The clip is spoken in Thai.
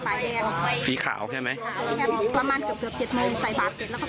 ฝ่ายแดงฟรีข่าวใช่ไหมประมาณเกือบเกือบเจ็ดโมงใส่ปาก